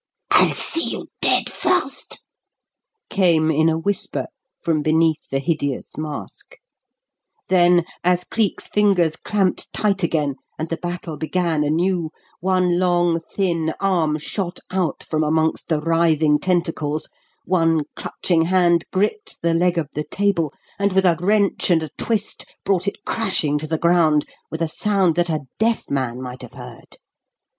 "I'll see you dead first!" came in a whisper from beneath the hideous mask. Then, as Cleek's fingers clamped tight again and the battle began anew, one long, thin arm shot out from amongst the writhing tentacles, one clutching hand gripped the leg of the table, and, with a wrench and a twist, brought it crashing to the ground with a sound that a deaf man might have heard.